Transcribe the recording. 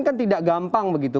kan tidak gampang begitu